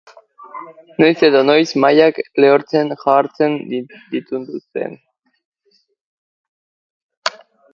Noiz edo noiz mahaiak lehortzen jartzen ninduten.